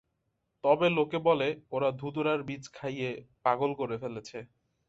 তবে লোকে বলে, ওরা ধুতুরার বীজ খাইয়ে পাগল করে ফেলেছে।